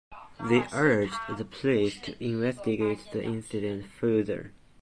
They urged the Police to investigate the incident further.